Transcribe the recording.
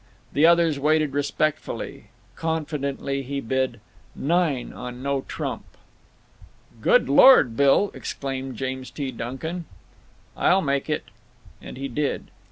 The others waited respectfully. Confidently, he bid "Nine on no trump." "Good Lord, Billl" exclaimed James T. Duncan. "I'll make it." And he did.